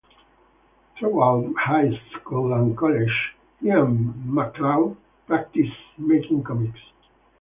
Throughout high school and college, he and McCloud practiced making comics.